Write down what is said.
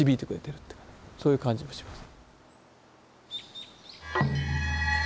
そういう感じもします。